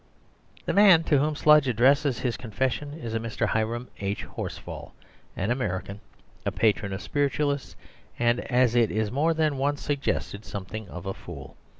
The man to whom Sludge addresses his confession is a Mr. Hiram H. Horsfall, an American, a patron of spiritualists, and, as it is more than once suggested, something of a fool.